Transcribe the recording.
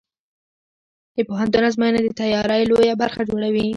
د پوهنتون ازموینې د تیاری لویه برخه جوړوي.